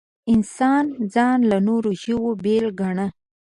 انسان ځان له نورو ژوو بېل ګاڼه.